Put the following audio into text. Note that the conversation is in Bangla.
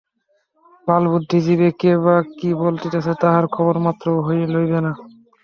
বালবুদ্ধি জীবে কে বা কি বলিতেছে, তাহার খবরমাত্রও লইবে না।